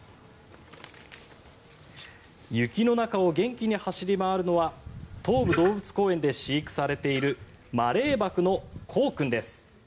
雪の中を元気に走り回るのは東武動物公園で飼育されているマレーバクのコウ君です。